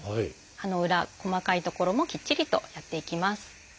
歯の裏細かい所もきっちりとやっていきます。